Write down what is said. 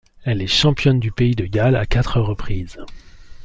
Elle est championne du Pays de Galles à quatre reprises.